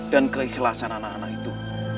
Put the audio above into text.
dan keikhlasan anak anak itu